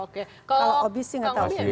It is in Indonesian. kalau obi sih enggak tahu